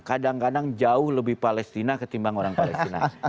kadang kadang jauh lebih palestina ketimbang orang palestina